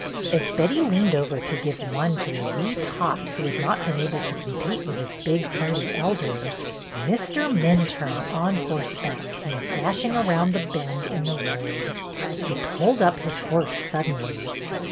As Betty leaned over to give one to a wee tot who had not been able to compete with his 292 BETTY BAIRD'S GOLDEN YEAR big, hardy elders, Mr. Minturne on horseback came dashing around the bend in the road. He pulled up his horse suddenly.